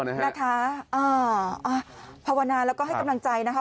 นะคะอ่าภาวนาแล้วก็ให้กำลังใจนะคะ